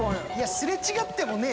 すれ違ってもねぇ！